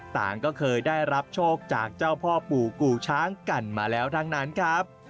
ต่างก็เคยได้รับโชคจากเจ้าพ่อปู่กู่ช้างกันมาแล้วทั้งนั้นครับ